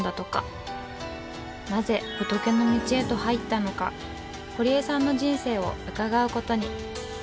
なぜ仏の道へと入ったのか堀江さんの人生を伺うことに。